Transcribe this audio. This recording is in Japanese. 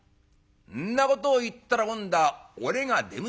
「んなことを言ったら『今度は俺が出向いていく』と。